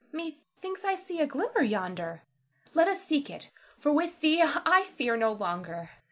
Zara. Methinks I see a glimmer yonder. Let us seek it, for with thee I fear no longer.